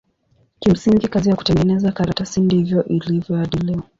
Kimsingi kazi ya kutengeneza karatasi ndivyo ilivyo hadi leo.